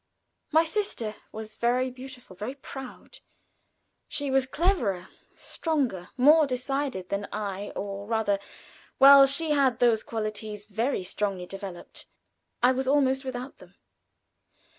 My sister was very beautiful, very proud. She was cleverer, stronger, more decided than I, or rather, while she had those qualities very strongly developed, I was almost without them.